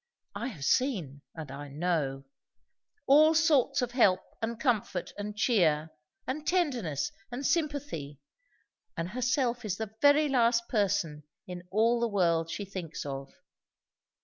I have seen, and I know. All sorts of help, and comfort, and cheer, and tenderness, and sympathy; and herself is the very last person' in all the world she thinks of."